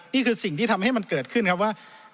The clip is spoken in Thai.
นี่คือสิ่งที่ทำให้มันเกิดขึ้นครับว่า